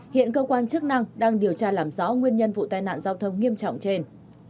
hiện cơ quan chức năng đang điều tra làm rõ nguyên nhân vụ tai nạn giao thông nghiêm trọng trên